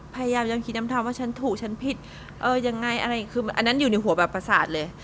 พยายามยังคิดน้ำทำว่าฉันถูกฉันผิดเออยังไงอะไรคืออันนั้นอยู่ในหัวแบบประสาทเลย